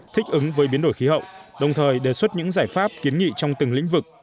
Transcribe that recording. thích ứng với biến đổi khí hậu đồng thời đề xuất những giải pháp kiến nghị trong từng lĩnh vực